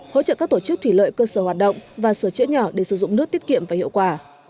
hỗ trợ các tổ chức thủy lợi cơ sở hoạt động và sửa chữa nhỏ để sử dụng nước tiết kiệm và hiệu quả